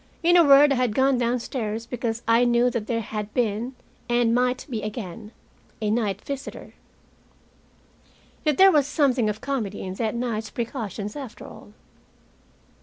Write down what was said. In a word, I had gone downstairs, because I knew that there had been and might be again, a night visitor. Yet, there was something of comedy in that night's precautions, after all.